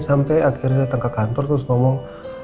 sampai akhirnya datang ke kantor terus ngomong